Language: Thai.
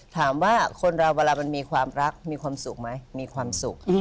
ถามว่าคนเราเวลามันมีความรักมีความสุขไหมมีความสุข